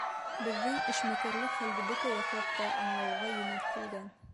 — Беҙҙең эшмәкәрлек хәлде бөтә яҡлап та аңлауға йүнәлтелгән.